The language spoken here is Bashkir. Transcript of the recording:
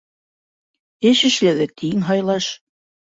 Эш эшләүҙә тиң һайлаш.